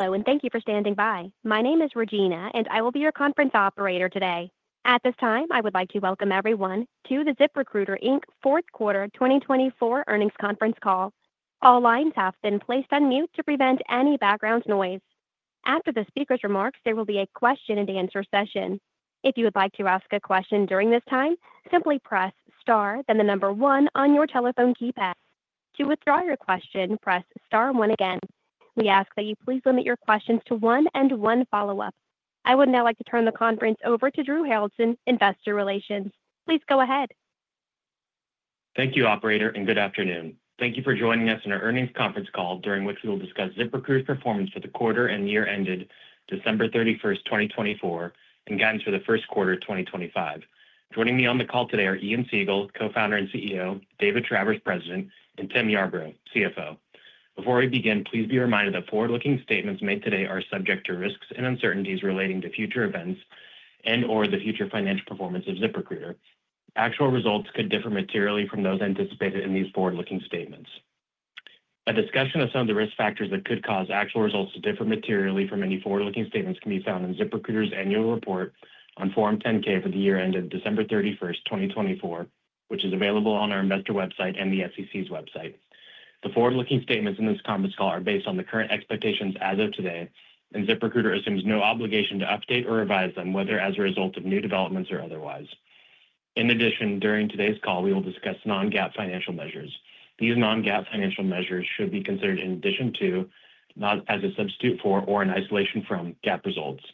Hello, and thank you for standing by. My name is Regina, and I will be your conference operator today. At this time, I would like to welcome everyone to the ZipRecruiter Inc. Fourth Quarter 2024 Earnings Conference Call. All lines have been placed on mute to prevent any background noise. After the speaker's remarks, there will be a question-and-answer session. If you would like to ask a question during this time, simply press star, then the number one on your telephone keypad. To withdraw your question, press star one again. We ask that you please limit your questions to one and one follow-up. I would now like to turn the conference over to Drew Haroldson, Investor Relations. Please go ahead. Thank you, Operator, and good afternoon. Thank you for joining us in our Earnings Conference Call, during which we will discuss ZipRecruiter's performance for the quarter and year ended December 31st, 2024, and guidance for the first quarter of 2025. Joining me on the call today are Ian Siegel, Co-founder and CEO; Dave Travers, President; and Tim Yarbrough, CFO. Before we begin, please be reminded that forward-looking statements made today are subject to risks and uncertainties relating to future events and/or the future financial performance of ZipRecruiter. Actual results could differ materially from those anticipated in these forward-looking statements. A discussion of some of the risk factors that could cause actual results to differ materially from any forward-looking statements can be found in ZipRecruiter's annual report on Form 10-K for the year ended December 31st, 2024, which is available on our investor website and the SEC's website. The forward-looking statements in this conference call are based on the current expectations as of today, and ZipRecruiter assumes no obligation to update or revise them, whether as a result of new developments or otherwise. In addition, during today's call, we will discuss non-GAAP financial measures. These non-GAAP financial measures should be considered in addition to, not as a substitute for, or in isolation from, GAAP results.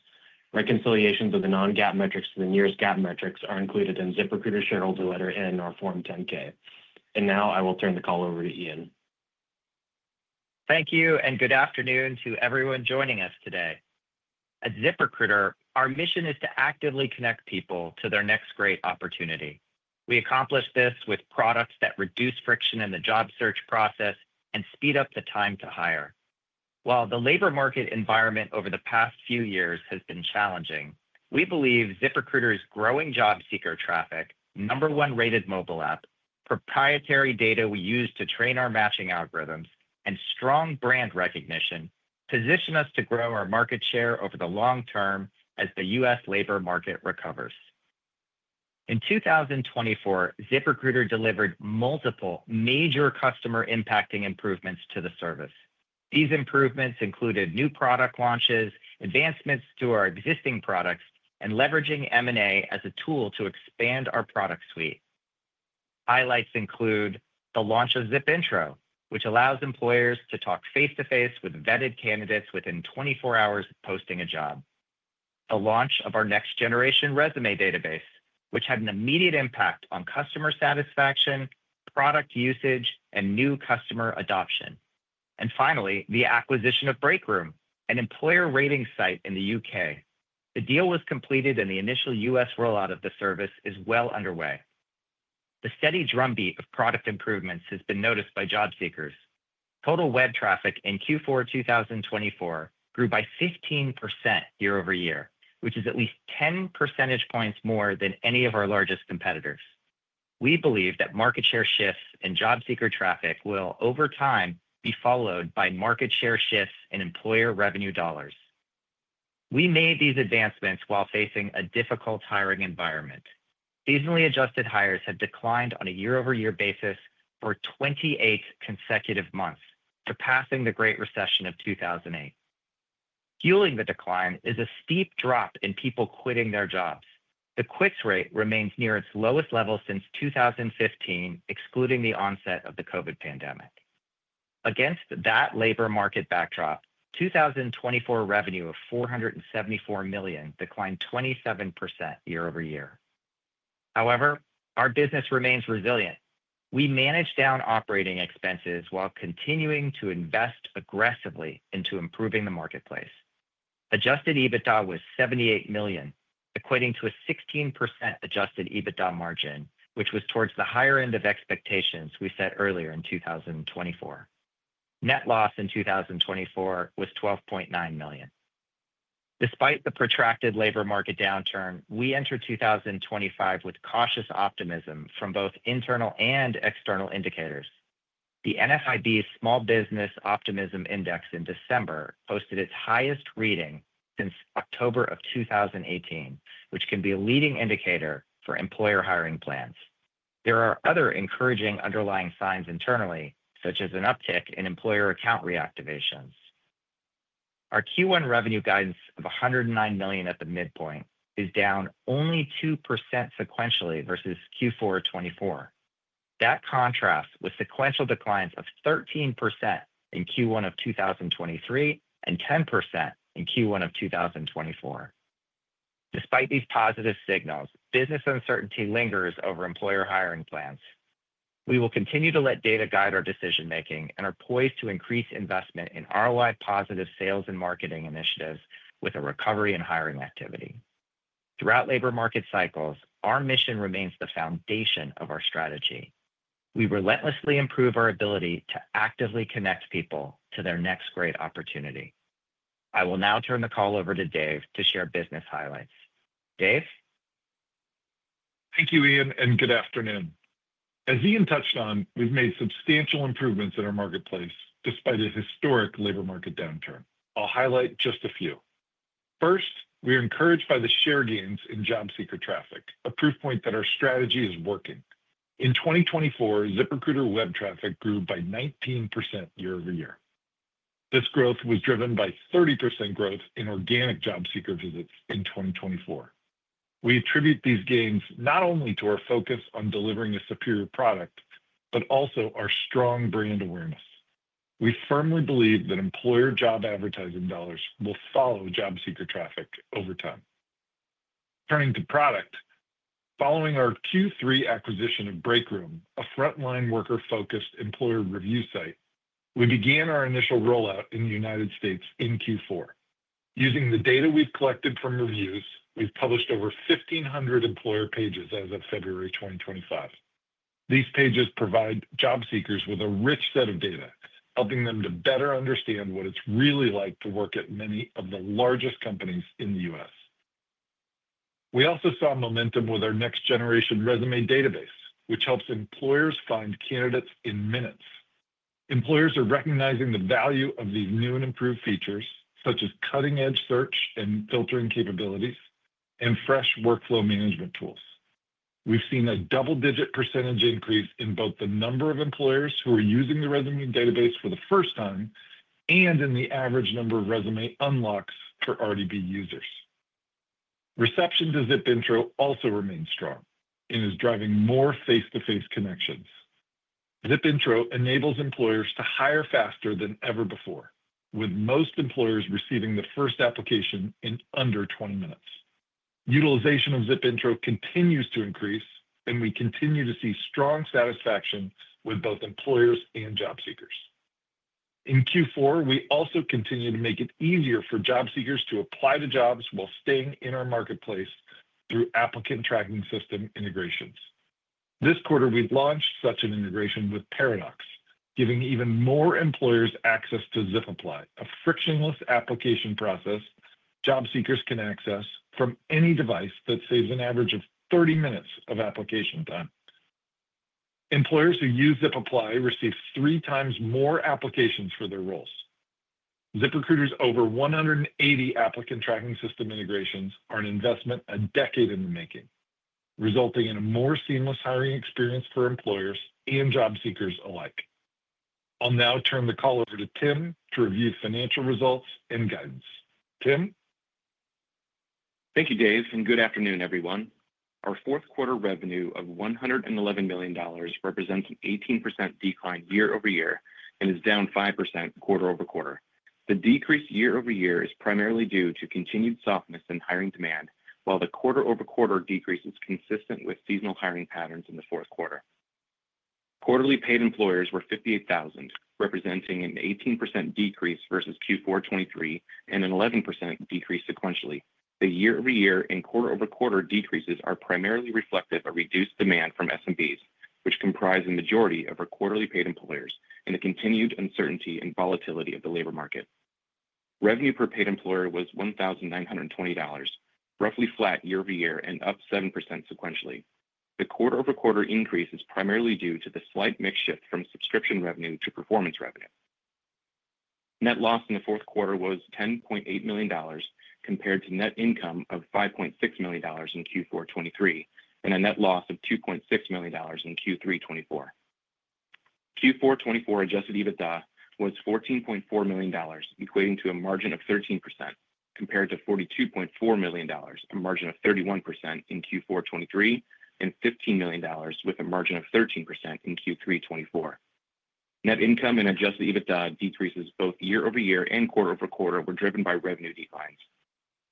Reconciliations of the non-GAAP metrics to the nearest GAAP metrics are included in ZipRecruiter's shareholder letter in our Form 10-K. And now I will turn the call over to Ian. Thank you, and good afternoon to everyone joining us today. At ZipRecruiter, our mission is to actively connect people to their next great opportunity. We accomplish this with products that reduce friction in the job search process and speed up the time to hire. While the labor market environment over the past few years has been challenging, we believe ZipRecruiter's growing job seeker traffic, number-one rated mobile app, proprietary data we use to train our matching algorithms, and strong brand recognition position us to grow our market share over the long term as the U.S. labor market recovers. In 2024, ZipRecruiter delivered multiple major customer-impacting improvements to the service. These improvements included new product launches, advancements to our existing products, and leveraging M&A as a tool to expand our product suite. Highlights include the launch of ZipIntro, which allows employers to talk face-to-face with vetted candidates within 24 hours of posting a job, the launch of our next-generation Resume Database, which had an immediate impact on customer satisfaction, product usage, and new customer adoption, and finally, the acquisition of Breakroom, an employer rating site in the U.K. The deal was completed, and the initial U.S. rollout of the service is well underway. The steady drumbeat of product improvements has been noticed by job seekers. Total web traffic in Q4 2024 grew by 15% year-over-year, which is at least 10 percentage points more than any of our largest competitors. We believe that market share shifts in job seeker traffic will, over time, be followed by market share shifts in employer revenue dollars. We made these advancements while facing a difficult hiring environment. Seasonally adjusted hires have declined on a year-over-year basis for 28 consecutive months, surpassing the Great Recession of 2008. Fueling the decline is a steep drop in people quitting their jobs. The quits rate remains near its lowest level since 2015, excluding the onset of the COVID pandemic. Against that labor market backdrop, 2024 revenue of $474 million declined 27% year-over-year. However, our business remains resilient. We managed down operating expenses while continuing to invest aggressively into improving the marketplace. Adjusted EBITDA was $78 million, equating to a 16% adjusted EBITDA margin, which was towards the higher end of expectations we set earlier in 2024. Net loss in 2024 was $12.9 million. Despite the protracted labor market downturn, we entered 2025 with cautious optimism from both internal and external indicators. The NFIB Small Business Optimism Index in December posted its highest reading since October of 2018, which can be a leading indicator for employer hiring plans. There are other encouraging underlying signs internally, such as an uptick in employer account reactivations. Our Q1 revenue guidance of $109 million at the midpoint is down only 2% sequentially versus Q4 2024. That contrasts with sequential declines of 13% in Q1 of 2023 and 10% in Q1 of 2024. Despite these positive signals, business uncertainty lingers over employer hiring plans. We will continue to let data guide our decision-making and are poised to increase investment in ROI-positive sales and marketing initiatives with a recovery in hiring activity. Throughout labor market cycles, our mission remains the foundation of our strategy. We relentlessly improve our ability to actively connect people to their next great opportunity. I will now turn the call over to Dave to share business highlights. Dave? Thank you, Ian, and good afternoon. As Ian touched on, we've made substantial improvements in our marketplace despite a historic labor market downturn. I'll highlight just a few. First, we are encouraged by the share gains in job seeker traffic, a proof point that our strategy is working. In 2024, ZipRecruiter web traffic grew by 19% year-over-year. This growth was driven by 30% growth in organic job seeker visits in 2024. We attribute these gains not only to our focus on delivering a superior product, but also our strong brand awareness. We firmly believe that employer job advertising dollars will follow job seeker traffic over time. Turning to product, following our Q3 acquisition of Breakroom, a frontline worker-focused employer review site, we began our initial rollout in the United States in Q4. Using the data we've collected from reviews, we've published over 1,500 employer pages as of February 2025. These pages provide job seekers with a rich set of data, helping them to better understand what it's really like to work at many of the largest companies in the U.S. We also saw momentum with our next-generation resume database, which helps employers find candidates in minutes. Employers are recognizing the value of these new and improved features, such as cutting-edge search and filtering capabilities and fresh workflow management tools. We've seen a double-digit % increase in both the number of employers who are using the resume database for the first time and in the average number of resume unlocks for RDB users. Reception to ZipIntro also remains strong and is driving more face-to-face connections. ZipIntro enables employers to hire faster than ever before, with most employers receiving the first application in under 20 minutes. Utilization of ZipIntro continues to increase, and we continue to see strong satisfaction with both employers and job seekers. In Q4, we also continue to make it easier for job seekers to apply to jobs while staying in our marketplace through applicant tracking system integrations. This quarter, we launched such an integration with Paradox, giving even more employers access to ZipApply, a frictionless application process job seekers can access from any device that saves an average of 30 minutes of application time. Employers who use ZipApply receive three times more applications for their roles. ZipRecruiter's over 180 applicant tracking system integrations are an investment a decade in the making, resulting in a more seamless hiring experience for employers and job seekers alike. I'll now turn the call over to Tim to review financial results and guidance. Tim? Thank you, Dave, and good afternoon, everyone. Our fourth quarter revenue of $111 million represents an 18% decline year-over-year and is down 5% quarter-over-quarter. The decrease year-over-year is primarily due to continued softness in hiring demand, while the quarter-over-quarter decrease is consistent with seasonal hiring patterns in the fourth quarter. Quarterly paid employers were 58,000, representing an 18% decrease versus Q4 2023 and an 11% decrease sequentially. The year-over-year and quarter-over-quarter decreases are primarily reflective of reduced demand from SMBs, which comprise the majority of our quarterly paid employers, and the continued uncertainty and volatility of the labor market. Revenue per paid employer was $1,920, roughly flat year-over-year and up 7% sequentially. The quarter-over-quarter increase is primarily due to the slight mix shift from subscription revenue to performance revenue. Net loss in the fourth quarter was $10.8 million compared to net income of $5.6 million in Q4 2023 and a net loss of $2.6 million in Q3 2024. Q4 2024 adjusted EBITDA was $14.4 million, equating to a margin of 13%, compared to $42.4 million, a margin of 31% in Q4 2023, and $15 million with a margin of 13% in Q3 2024. Net income and adjusted EBITDA decreases both year-over-year and quarter-over-quarter were driven by revenue declines.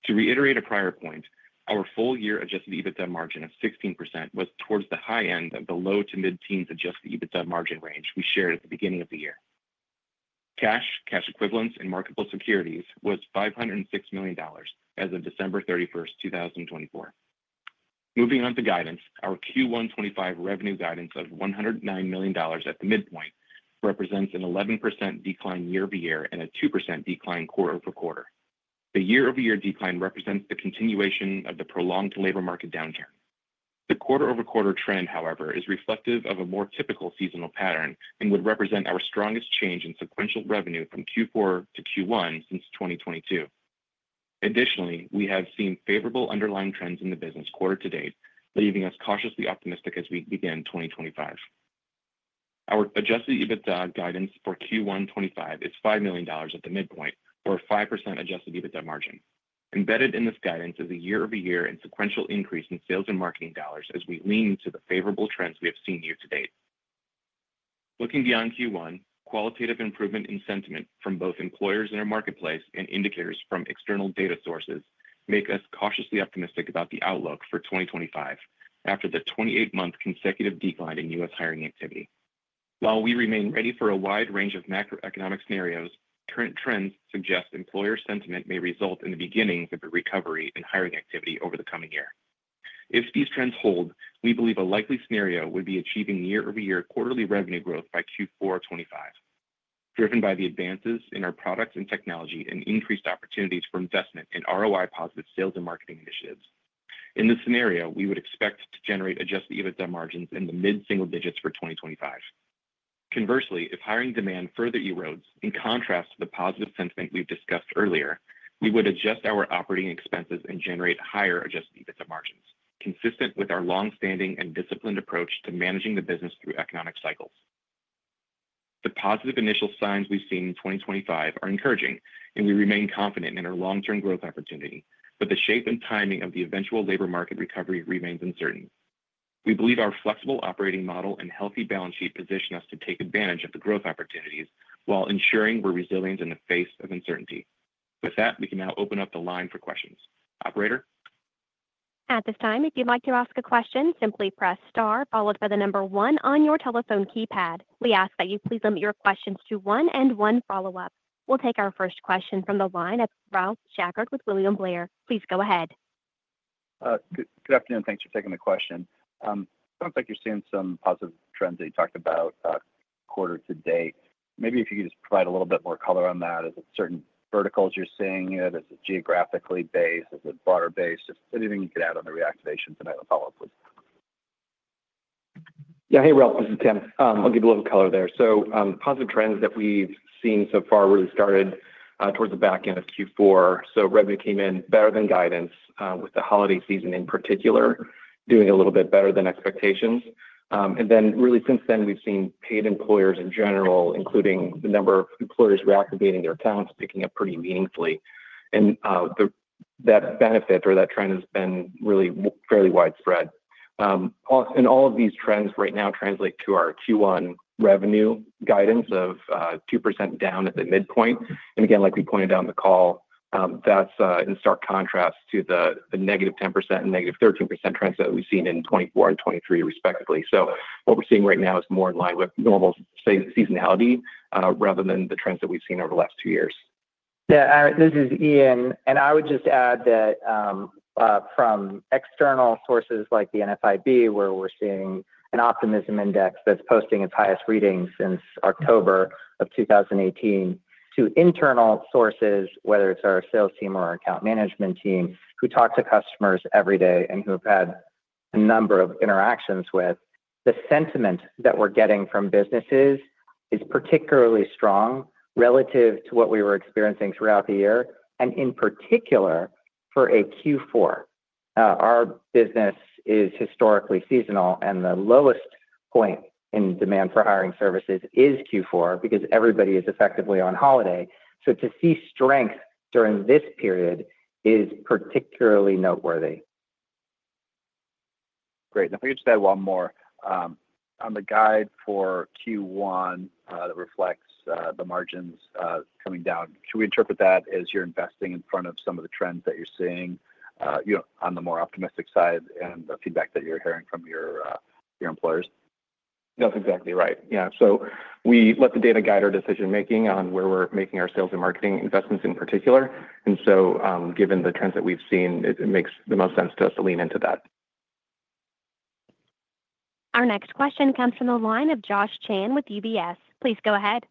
To reiterate a prior point, our full-year adjusted EBITDA margin of 16% was towards the high end of the low to mid-teens adjusted EBITDA margin range we shared at the beginning of the year. Cash, cash equivalents, and marketable securities was $506 million as of December 31st, 2024. Moving on to guidance, our Q1 2025 revenue guidance of $109 million at the midpoint represents an 11% decline year-over-year and a 2% decline quarter-over-quarter. The year-over-year decline represents the continuation of the prolonged labor market downturn. The quarter-over-quarter trend, however, is reflective of a more typical seasonal pattern and would represent our strongest change in sequential revenue from Q4-Q1 since 2022. Additionally, we have seen favorable underlying trends in the business quarter to date, leaving us cautiously optimistic as we begin 2025. Our Adjusted EBITDA guidance for Q1 2025 is $5 million at the midpoint, or a 5% Adjusted EBITDA margin. Embedded in this guidance is a year-over-year and sequential increase in sales and marketing dollars as we lean into the favorable trends we have seen year to date. Looking beyond Q1, qualitative improvement in sentiment from both employers in our marketplace and indicators from external data sources make us cautiously optimistic about the outlook for 2025 after the 28-month consecutive decline in U.S. hiring activity. While we remain ready for a wide range of macroeconomic scenarios, current trends suggest employer sentiment may result in the beginnings of a recovery in hiring activity over the coming year. If these trends hold, we believe a likely scenario would be achieving year-over-year quarterly revenue growth by Q4 2025, driven by the advances in our products and technology and increased opportunities for investment in ROI-positive sales and marketing initiatives. In this scenario, we would expect to generate Adjusted EBITDA margins in the mid-single digits for 2025. Conversely, if hiring demand further erodes in contrast to the positive sentiment we've discussed earlier, we would adjust our operating expenses and generate higher Adjusted EBITDA margins, consistent with our longstanding and disciplined approach to managing the business through economic cycles. The positive initial signs we've seen in 2025 are encouraging, and we remain confident in our long-term growth opportunity, but the shape and timing of the eventual labor market recovery remains uncertain. We believe our flexible operating model and healthy balance sheet position us to take advantage of the growth opportunities while ensuring we're resilient in the face of uncertainty. With that, we can now open up the line for questions. Operator? At this time, if you'd like to ask a question, simply press star, followed by the number one on your telephone keypad. We ask that you please limit your questions to one and one follow-up. We'll take our first question from the line at Ralph Schackart with William Blair. Please go ahead. Good afternoon. Thanks for taking the question. Sounds like you're seeing some positive trends that you talked about quarter to date. Maybe if you could just provide a little bit more color on that. Is it certain verticals you're seeing? Is it geographically based? Is it broader based? Just anything you could add on the reactivation tonight on follow-up, please. Yeah. Hey, Ralph. This is Tim. I'll give you a little color there. So the positive trends that we've seen so far really started towards the back end of Q4. So revenue came in better than guidance, with the holiday season in particular doing a little bit better than expectations. And then really since then, we've seen paid employers in general, including the number of employers reactivating their accounts, picking up pretty meaningfully. And that benefit or that trend has been really fairly widespread. And all of these trends right now translate to our Q1 revenue guidance of 2% down at the midpoint. And again, like we pointed out in the call, that's in stark contrast to the negative 10% and negative 13% trends that we've seen in 2024 and 2023, respectively. So what we're seeing right now is more in line with normal seasonality rather than the trends that we've seen over the last two years. Yeah. This is Ian. And I would just add that from external sources like the NFIB, where we're seeing an optimism index that's posting its highest readings since October of 2018, to internal sources, whether it's our sales team or our account management team, who talk to customers every day and who have had a number of interactions with, the sentiment that we're getting from businesses is particularly strong relative to what we were experiencing throughout the year. And in particular, for a Q4, our business is historically seasonal, and the lowest point in demand for hiring services is Q4 because everybody is effectively on holiday. So to see strength during this period is particularly noteworthy. Great. And if I could just add one more. On the guide for Q1 that reflects the margins coming down, should we interpret that as you're investing in front of some of the trends that you're seeing on the more optimistic side and the feedback that you're hearing from your employers? That's exactly right. Yeah. So we let the data guide our decision-making on where we're making our sales and marketing investments in particular. And so given the trends that we've seen, it makes the most sense to us to lean into that. Our next question comes from the line of Josh Chan with UBS. Please go ahead.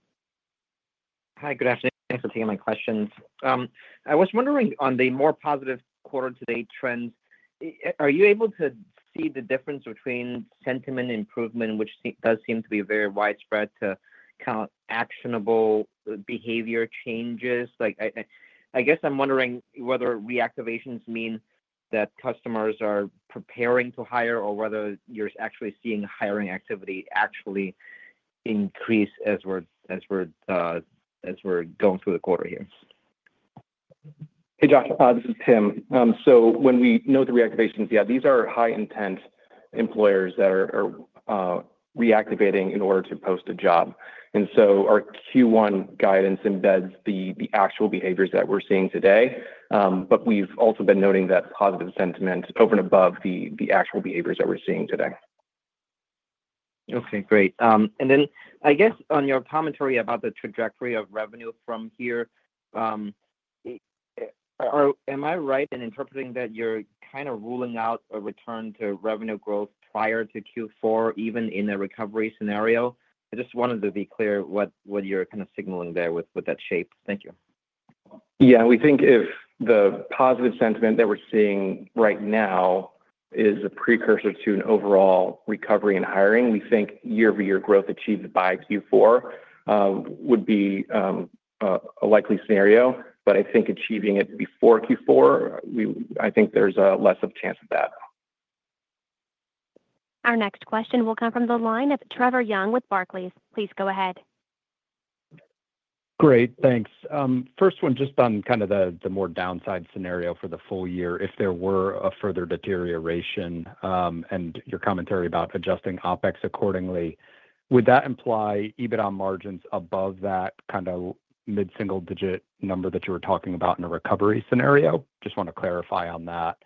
Hi. Good afternoon. Thanks for taking my questions. I was wondering on the more positive quarter-to-date trends, are you able to see the difference between sentiment improvement, which does seem to be very widespread, to kind of actionable behavior changes? I guess I'm wondering whether reactivations mean that customers are preparing to hire or whether you're actually seeing hiring activity actually increase as we're going through the quarter here? Hey, Josh. This is Tim. So when we note the reactivations, yeah, these are high-intent employers that are reactivating in order to post a job. And so our Q1 guidance embeds the actual behaviors that we're seeing today, but we've also been noting that positive sentiment over and above the actual behaviors that we're seeing today. Okay. Great, and then I guess on your commentary about the trajectory of revenue from here, am I right in interpreting that you're kind of ruling out a return to revenue growth prior to Q4, even in a recovery scenario? I just wanted to be clear what you're kind of signaling there with that shape. Thank you. Yeah. We think if the positive sentiment that we're seeing right now is a precursor to an overall recovery in hiring, we think year-over-year growth achieved by Q4 would be a likely scenario. But I think achieving it before Q4, I think there's less of a chance of that. Our next question will come from the line of Trevor Young with Barclays. Please go ahead. Great. Thanks. First one, just on kind of the more downside scenario for the full year. If there were a further deterioration and your commentary about adjusting OPEX accordingly, would that imply EBITDA margins above that kind of mid-single digit number that you were talking about in a recovery scenario? Just want to clarify on that.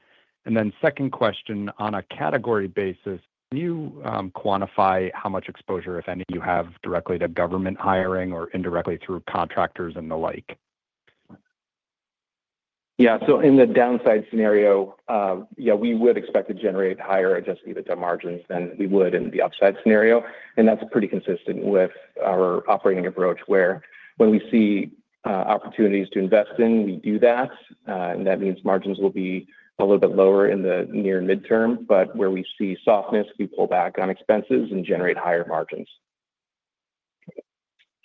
And then second question, on a category basis, can you quantify how much exposure, if any, you have directly to government hiring or indirectly through contractors and the like? Yeah. So in the downside scenario, yeah, we would expect to generate higher Adjusted EBITDA margins than we would in the upside scenario. And that's pretty consistent with our operating approach where when we see opportunities to invest in, we do that. And that means margins will be a little bit lower in the near midterm. But where we see softness, we pull back on expenses and generate higher margins.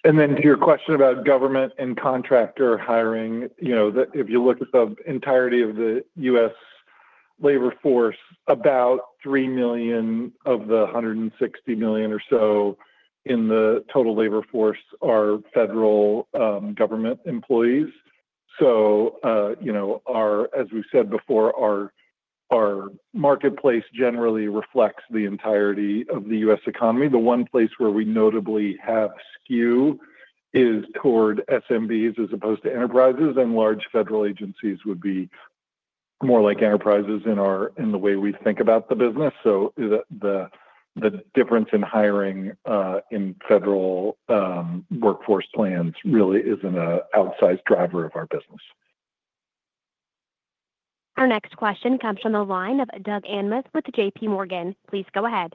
And then to your question about government and contractor hiring, if you look at the entirety of the U.S. labor force, about three million of the 160 million or so in the total labor force are federal government employees. So as we've said before, our marketplace generally reflects the entirety of the U.S. economy. The one place where we notably have skew is toward SMBs as opposed to enterprises, and large federal agencies would be more like enterprises in the way we think about the business. So the difference in hiring in federal workforce plans really isn't an outsized driver of our business. Our next question comes from the line of Doug Anmuth with JPMorgan. Please go ahead.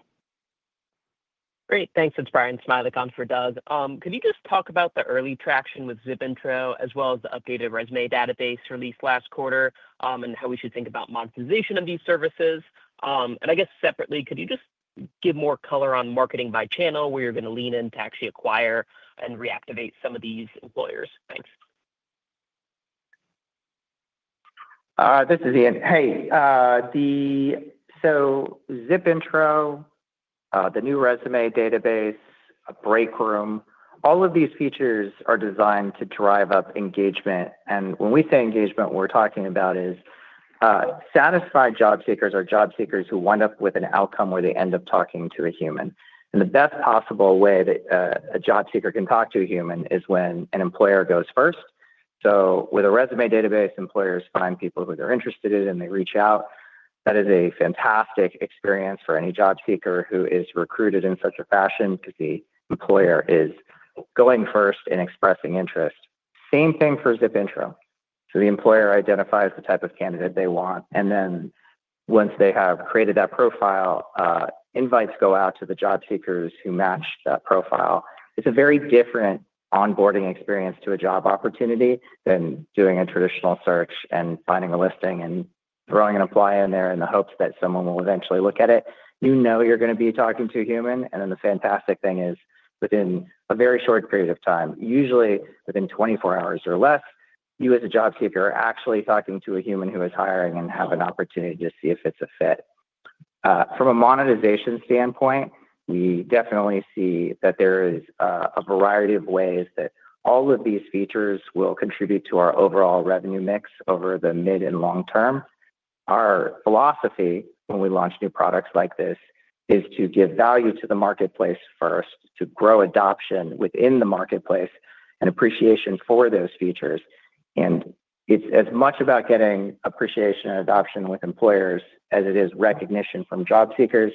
Great. Thanks. It's Bryan Smilek for Doug. Could you just talk about the early traction with ZipRecruiter, Drew, as well as the updated Resume Database released last quarter and how we should think about monetization of these services? And I guess separately, could you just give more color on marketing by channel where you're going to lean in to actually acquire and reactivate some of these employers? Thanks. This is Ian. Hey, so ZipRecruiter, the new resume database, Breakroom, all of these features are designed to drive up engagement, and when we say engagement, what we're talking about is satisfied job seekers are job seekers who wind up with an outcome where they end up talking to a human, and the best possible way that a job seeker can talk to a human is when an employer goes first. So with a resume database, employers find people who they're interested in, and they reach out. That is a fantastic experience for any job seeker who is recruited in such a fashion because the employer is going first and expressing interest. Same thing for ZipRecruiter, so the employer identifies the type of candidate they want, and then once they have created that profile, invites go out to the job seekers who match that profile. It's a very different onboarding experience to a job opportunity than doing a traditional search and finding a listing and throwing an apply in there in the hopes that someone will eventually look at it. You know you're going to be talking to a human, and then the fantastic thing is within a very short period of time, usually within 24 hours or less, you as a job seeker are actually talking to a human who is hiring and have an opportunity to see if it's a fit. From a monetization standpoint, we definitely see that there is a variety of ways that all of these features will contribute to our overall revenue mix over the mid and long term. Our philosophy when we launch new products like this is to give value to the marketplace first, to grow adoption within the marketplace and appreciation for those features. And it's as much about getting appreciation and adoption with employers as it is recognition from job seekers.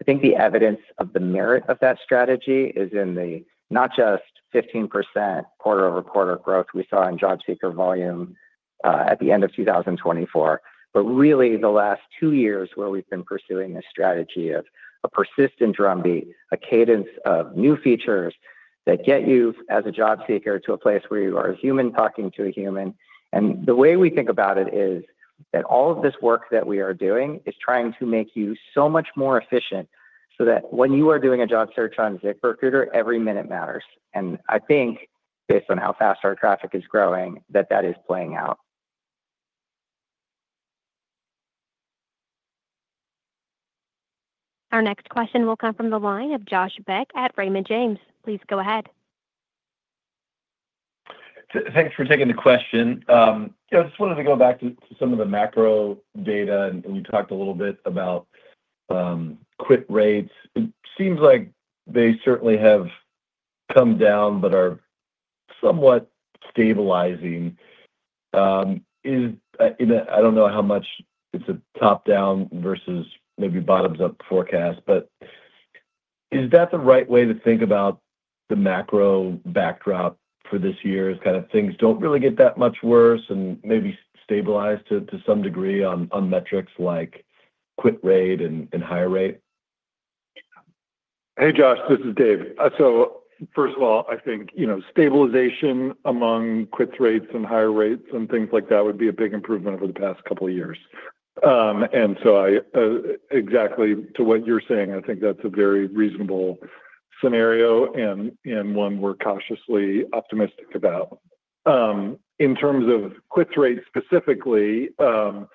I think the evidence of the merit of that strategy is in the not just 15% quarter-over-quarter growth we saw in job seeker volume at the end of 2024, but really the last two years where we've been pursuing this strategy of a persistent drumbeat, a cadence of new features that get you as a job seeker to a place where you are a human talking to a human. And the way we think about it is that all of this work that we are doing is trying to make you so much more efficient so that when you are doing a job search on ZipRecruiter, every minute matters. And I think based on how fast our traffic is growing, that that is playing out. Our next question will come from the line of Josh Beck at Raymond James. Please go ahead. Thanks for taking the question. I just wanted to go back to some of the macro data, and we talked a little bit about quit rates. It seems like they certainly have come down but are somewhat stabilizing. I don't know how much it's a top-down versus maybe bottoms-up forecast, but is that the right way to think about the macro backdrop for this year as kind of things don't really get that much worse and maybe stabilize to some degree on metrics like quit rate and hire rate? Hey, Josh. This is Dave. So first of all, I think stabilization among quits rates and hire rates and things like that would be a big improvement over the past couple of years. And so exactly to what you're saying, I think that's a very reasonable scenario and one we're cautiously optimistic about. In terms of quits rates specifically, the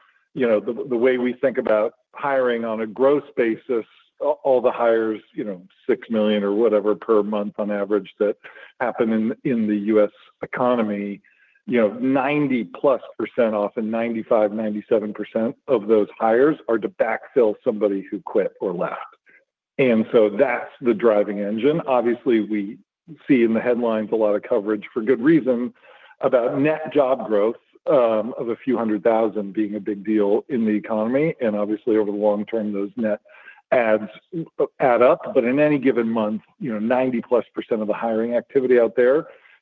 way we think about hiring on a gross basis, all the hires, 6 million or whatever per month on average that happen in the U.S. economy, 90+%, often 95%, 97% of those hires are to backfill somebody who quit or left. And so that's the driving engine. Obviously, we see in the headlines a lot of coverage for good reason about net job growth of a few hundred thousand being a big deal in the economy. And obviously, over the long term, those net adds add up. But in any given month, 90-plus% of the hiring activity out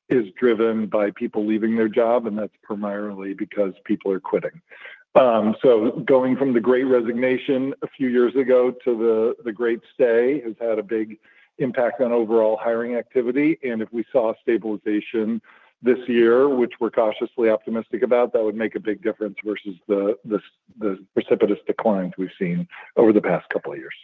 there is driven by people leaving their job, and that's primarily because people are quitting. So going from the great resignation a few years ago to the great stay has had a big impact on overall hiring activity. And if we saw stabilization this year, which we're cautiously optimistic about, that would make a big difference versus the precipitous declines we've seen over the past couple of years.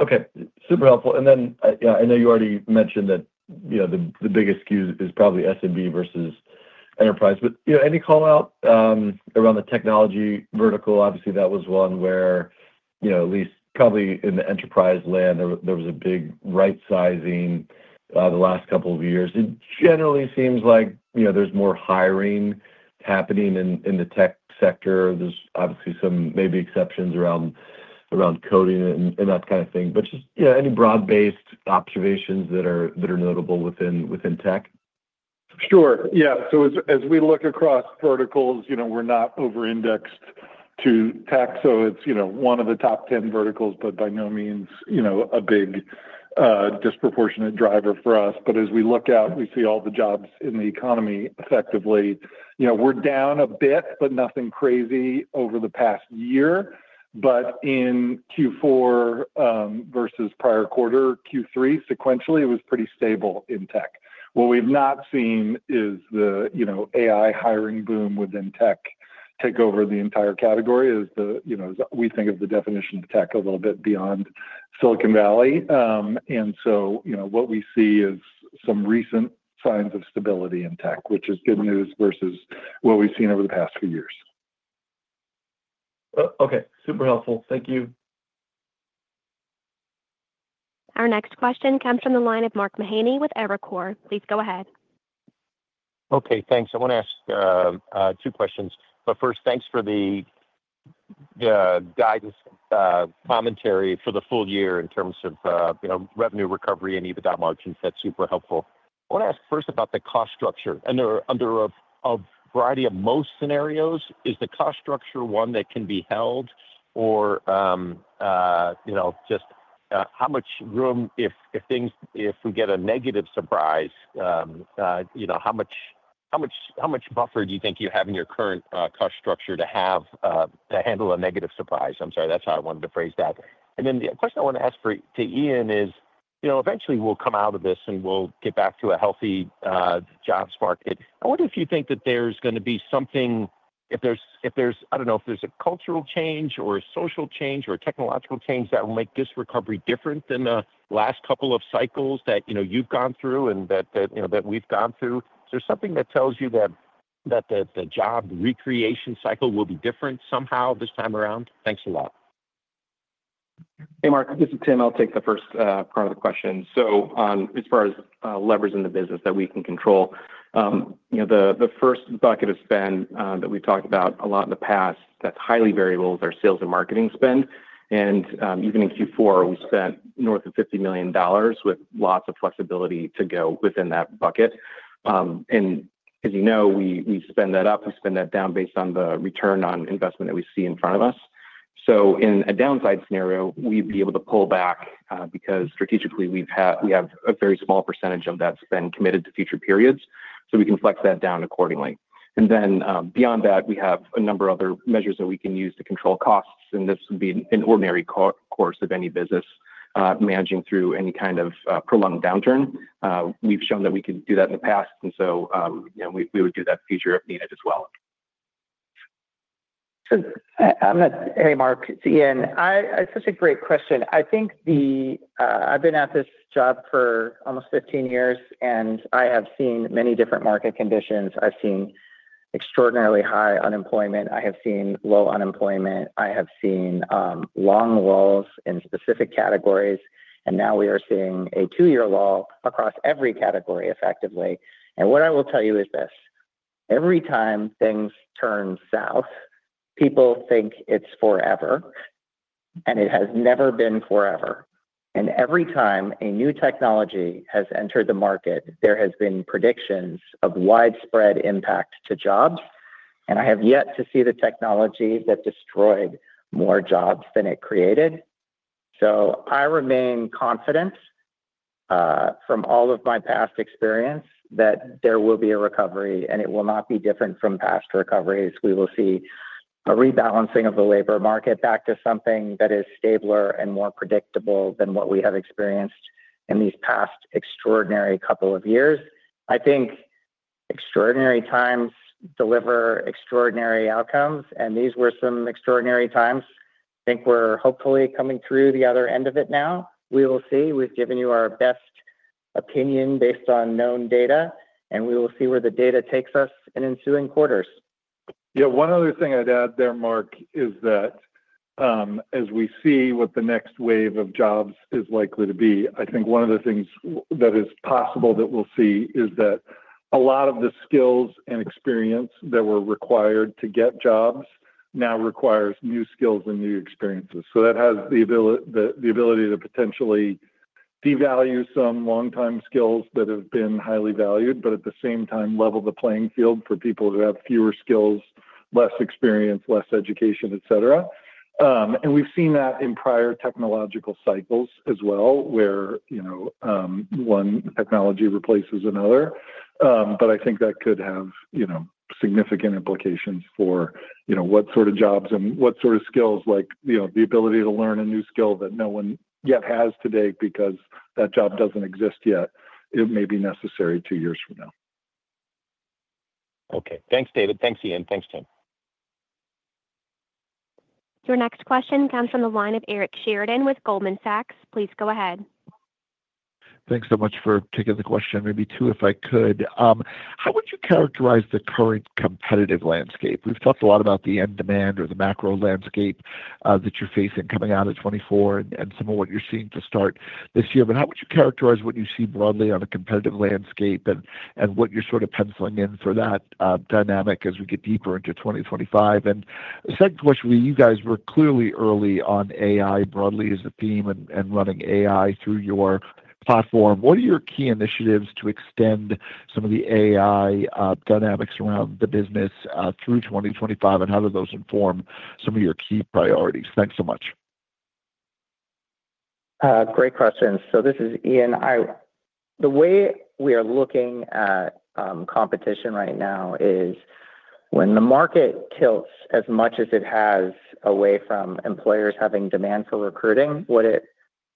Okay. Super helpful. And then I know you already mentioned that the biggest skew is probably SMB versus enterprise. But any call out around the technology vertical? Obviously, that was one where at least probably in the enterprise land, there was a big right-sizing the last couple of years. It generally seems like there's more hiring happening in the tech sector. There's obviously some maybe exceptions around coding and that kind of thing. But just any broad-based observations that are notable within tech? Sure. Yeah. So as we look across verticals, we're not over-indexed to tech, so it's one of the top 10 verticals, but by no means a big disproportionate driver for us, but as we look out, we see all the jobs in the economy effectively, we're down a bit, but nothing crazy over the past year, but in Q4 versus prior quarter, Q3 sequentially, it was pretty stable in tech. What we've not seen is the AI hiring boom within tech take over the entire category as we think of the definition of tech a little bit beyond Silicon Valley, and so what we see is some recent signs of stability in tech, which is good news versus what we've seen over the past few years. Okay. Super helpful. Thank you. Our next question comes from the line of Mark Mahaney with Evercore. Please go ahead. Okay. Thanks. I want to ask two questions. But first, thanks for the guidance commentary for the full year in terms of revenue recovery and EBITDA margins. That's super helpful. I want to ask first about the cost structure. Under a variety of most scenarios, is the cost structure one that can be held or just how much room if we get a negative surprise, how much buffer do you think you have in your current cost structure to handle a negative surprise? I'm sorry. That's how I wanted to phrase that. And then the question I want to ask to Ian is, eventually, we'll come out of this and we'll get back to a healthy jobs market. I wonder if you think that there's going to be something, I don't know if there's a cultural change or a social change or a technological change that will make this recovery different than the last couple of cycles that you've gone through and that we've gone through? Is there something that tells you that the job creation cycle will be different somehow this time around? Thanks a lot. Hey, Mark. This is Tim. I'll take the first part of the question. So as far as levers in the business that we can control, the first bucket of spend that we've talked about a lot in the past that's highly variable is our sales and marketing spend. And even in Q4, we spent north of $50 million with lots of flexibility to go within that bucket. And as you know, we spend that up. We spend that down based on the return on investment that we see in front of us. So in a downside scenario, we'd be able to pull back because strategically, we have a very small percentage of that spend committed to future periods. So we can flex that down accordingly. And then beyond that, we have a number of other measures that we can use to control costs. This would be an ordinary course of any business managing through any kind of prolonged downturn. We've shown that we could do that in the past. We would do that in the future if needed as well. Hey, Mark. It's Ian. Such a great question. I think I've been at this job for almost 15 years, and I have seen many different market conditions. I've seen extraordinarily high unemployment. I have seen low unemployment. I have seen long lulls in specific categories. And now we are seeing a two-year lull across every category effectively. And what I will tell you is this: every time things turn south, people think it's forever, and it has never been forever. And every time a new technology has entered the market, there have been predictions of widespread impact to jobs. And I have yet to see the technology that destroyed more jobs than it created. So I remain confident from all of my past experience that there will be a recovery, and it will not be different from past recoveries. We will see a rebalancing of the labor market back to something that is stabler and more predictable than what we have experienced in these past extraordinary couple of years. I think extraordinary times deliver extraordinary outcomes. And these were some extraordinary times. I think we're hopefully coming through the other end of it now. We will see. We've given you our best opinion based on known data, and we will see where the data takes us in ensuing quarters. Yeah. One other thing I'd add there, Mark, is that as we see what the next wave of jobs is likely to be, I think one of the things that is possible that we'll see is that a lot of the skills and experience that were required to get jobs now requires new skills and new experiences. So that has the ability to potentially devalue some long-time skills that have been highly valued, but at the same time, level the playing field for people who have fewer skills, less experience, less education, etc. And we've seen that in prior technological cycles as well where one technology replaces another. But I think that could have significant implications for what sort of jobs and what sort of skills, like the ability to learn a new skill that no one yet has today because that job doesn't exist yet, it may be necessary two years from now. Okay. Thanks, Dave. Thanks, Ian. Thanks, Tim. Your next question comes from the line of Eric Sheridan with Goldman Sachs. Please go ahead. Thanks so much for taking the question. Maybe two, if I could. How would you characterize the current competitive landscape? We've talked a lot about the end demand or the macro landscape that you're facing coming out of 2024 and some of what you're seeing to start this year. But how would you characterize what you see broadly on the competitive landscape and what you're sort of penciling in for that dynamic as we get deeper into 2025? And the second question for you guys: you're clearly early on AI broadly as a theme and running AI through your platform. What are your key initiatives to extend some of the AI dynamics around the business through 2025, and how do those inform some of your key priorities? Thanks so much. Great question. So this is Ian. The way we are looking at competition right now is when the market tilts as much as it has away from employers having demand for recruiting, what it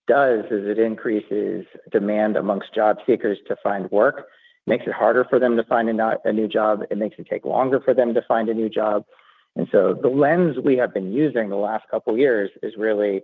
does is it increases demand amongst job seekers to find work, makes it harder for them to find a new job, it makes it take longer for them to find a new job, and so the lens we have been using the last couple of years is really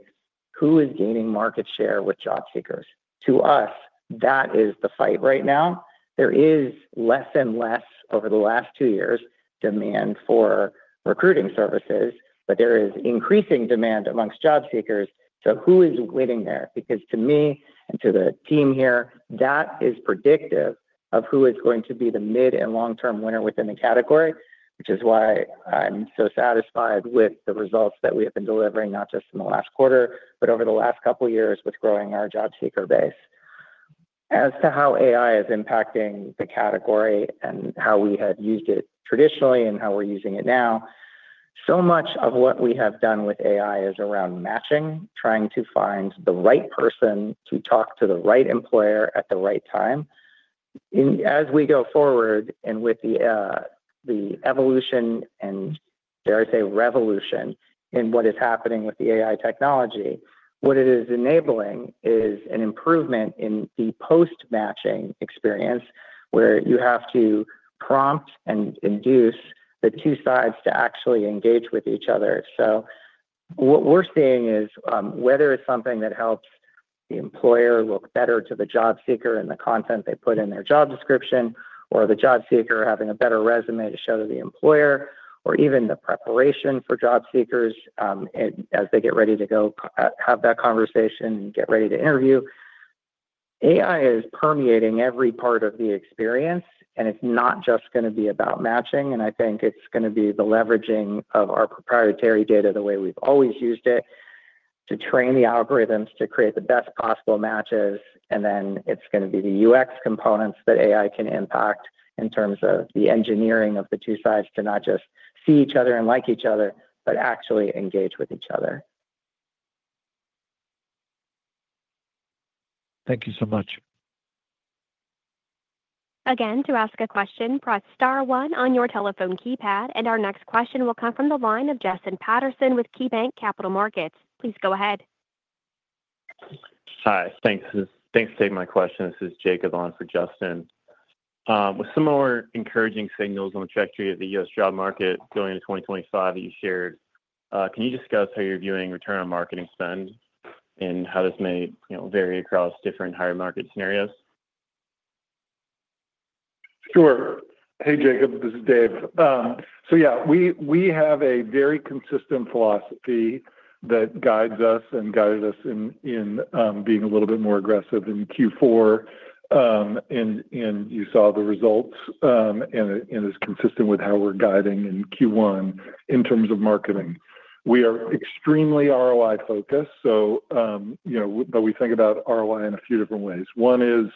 who is gaining market share with job seekers. To us, that is the fight right now. There is less and less over the last two years demand for recruiting services, but there is increasing demand amongst job seekers, so who is winning there? Because to me and to the team here, that is predictive of who is going to be the mid and long-term winner within the category, which is why I'm so satisfied with the results that we have been delivering not just in the last quarter, but over the last couple of years with growing our job seeker base. As to how AI is impacting the category and how we had used it traditionally and how we're using it now, so much of what we have done with AI is around matching, trying to find the right person to talk to the right employer at the right time. As we go forward and with the evolution, and dare I say, revolution, in what is happening with the AI technology, what it is enabling is an improvement in the post-matching experience where you have to prompt and induce the two sides to actually engage with each other. So what we're seeing is whether it's something that helps the employer look better to the job seeker in the content they put in their job description, or the job seeker having a better resume to show to the employer, or even the preparation for job seekers as they get ready to go have that conversation and get ready to interview, AI is permeating every part of the experience, and it's not just going to be about matching. I think it's going to be the leveraging of our proprietary data the way we've always used it to train the algorithms to create the best possible matches. Then it's going to be the UX components that AI can impact in terms of the engineering of the two sides to not just see each other and like each other, but actually engage with each other. Thank you so much. Again, to ask a question, press star one on your telephone keypad, and our next question will come from the line of Justin Patterson with KeyBanc Capital Markets. Please go ahead. Hi. Thanks for taking my question. This is Jacob on for Justin. With similar encouraging signals on the trajectory of the U.S. job market going into 2025 that you shared, can you discuss how you're viewing return on marketing spend and how this may vary across different hiring market scenarios? Sure. Hey, Jacob. This is Dave. So yeah, we have a very consistent philosophy that guides us and guided us in being a little bit more aggressive in Q4. And you saw the results, and it's consistent with how we're guiding in Q1 in terms of marketing. We are extremely ROI-focused, but we think about ROI in a few different ways. One is,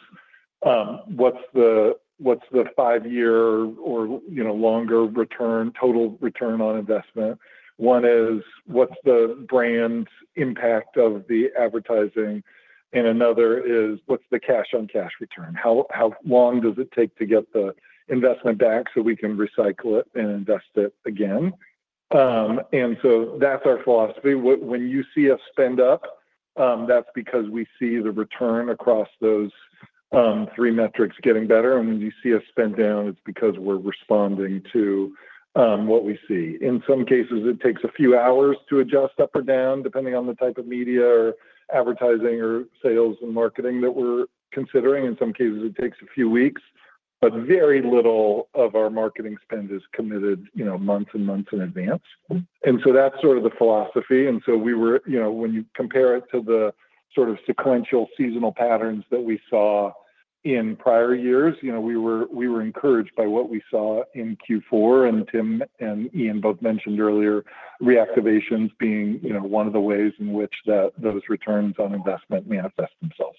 what's the five-year or longer return total return on investment? One is, what's the brand impact of the advertising? And another is, what's the cash-on-cash return? How long does it take to get the investment back so we can recycle it and invest it again? And so that's our philosophy. When you see us spend up, that's because we see the return across those three metrics getting better. And when you see us spend down, it's because we're responding to what we see. In some cases, it takes a few hours to adjust up or down, depending on the type of media or advertising or sales and marketing that we're considering. In some cases, it takes a few weeks, but very little of our marketing spend is committed months and months in advance. And so that's sort of the philosophy. And so when you compare it to the sort of sequential seasonal patterns that we saw in prior years, we were encouraged by what we saw in Q4. And Tim and Ian both mentioned earlier reactivations being one of the ways in which those returns on investment manifest themselves.